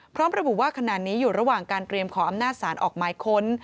พร้อมระบุว่าขณะนี้อยู่ระหว่างการเตรียมขออำนาจศาลออกหมายค้น